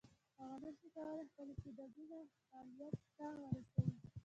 هغه نشي کولای خپل استعدادونه فعلیت ته ورسوي.